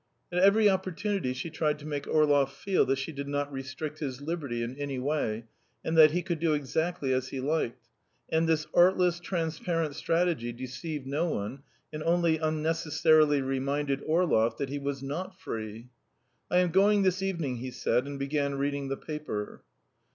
At every opportunity she tried to make Orlov feel that she did not restrict his liberty in any way, and that he could do exactly as he liked, and this artless, transparent strategy deceived no one, and only unnecessarily reminded Orlov that he was not free. "I am going this evening," he said, and began reading the paper.